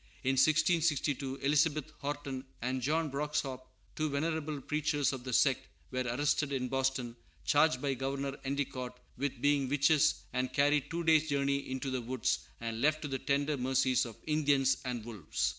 In 1662 Elizabeth Horton and Joan Broksop, two venerable preachers of the sect, were arrested in Boston, charged by Governor Endicott with being witches, and carried two days' journey into the woods, and left to the tender mercies of Indians and wolves.